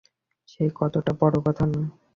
সে কে তা বড় কথা নয়।